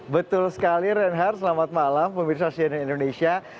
betul sekali renhar selamat malam pemirsa siena indonesia